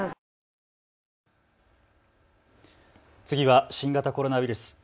次は新型コロナウイルス。